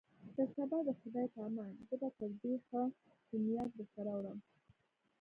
تر سبا د خدای په امان، زه به تر دې ښه کونیاک درته راوړم.